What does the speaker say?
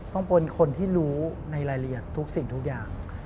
เป็นคนที่รู้ในรายละเอียดทุกสิ่งทุกอย่าง